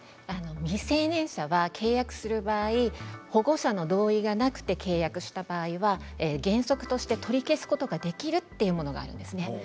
未成年者は契約する場合保護者の同意がなくて契約した場合は原則として取り消すことができるというものがあるんですね。